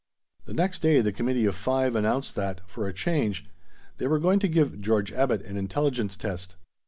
The next day, the Committee of Five announced that, for a change, they were going to give George Abbot an intelligence test.